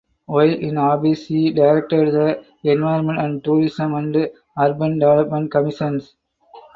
While in office she directed the Environment and Tourism and Urban Development commissions.